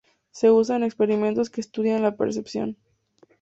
Se usa en experimentos que estudian la percepción.